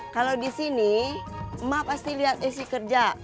kalau di sini ma pasti lihat esi kerja